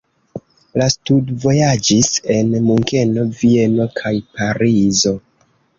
Li studvojaĝis en Munkeno, Vieno kaj Parizo.